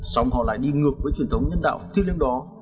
xong họ lại đi ngược với truyền thống nhân đạo thiêng liêng đó